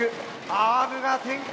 アームが展開。